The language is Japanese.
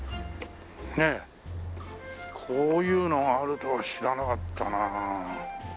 こういうのがあるとは知らなかったな。